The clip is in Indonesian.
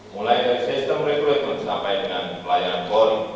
mulai dari sistem rekrutmen sampai dengan pelayanan bone